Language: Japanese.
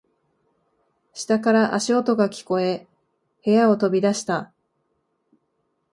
下から足音が聞こえ、部屋を飛び出した。